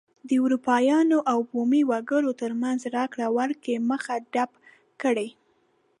د اروپایانو او بومي وګړو ترمنځ راکړې ورکړې مخه ډپ کړي.